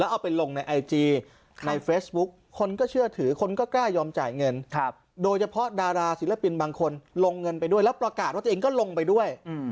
เอาไปลงในไอจีในเฟซบุ๊คคนก็เชื่อถือคนก็กล้ายอมจ่ายเงินโดยเฉพาะดาราศิลปินบางคนลงเงินไปด้วยแล้วประกาศว่าตัวเองก็ลงไปด้วย